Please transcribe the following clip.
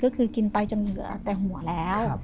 ก็คือกินไปจนเหลือแต่หัวแล้ว